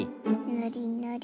ぬりぬり。